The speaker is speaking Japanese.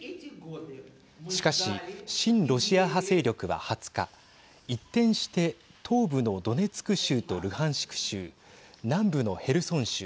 しかし、親ロシア派勢力は２０日一転して東部のドネツク州とルハンシク州南部のヘルソン州